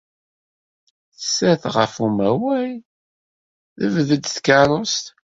Tsat ɣef umawaɣ, tebded tkeṛṛust.